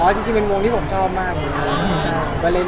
ดีขึ้นแบบวันแรง